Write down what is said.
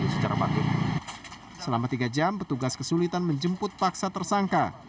selama tiga jam petugas kesulitan menjemput paksa tersangka